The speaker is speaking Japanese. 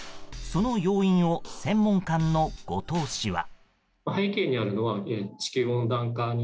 その要因を専門官の後藤氏は。